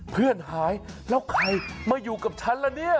เพื่อนหายแล้วใครมาอยู่กับฉันละเนี่ย